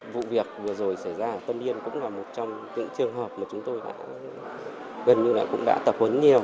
vụ việc vừa rồi xảy ra ở tân yên cũng là một trong những trường hợp mà chúng tôi đã gần như là cũng đã tập huấn nhiều